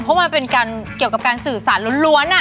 เพราะมันเป็นการเกี่ยวกับการสื่อสารล้วน